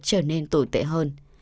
trở nên tồi tệ hơn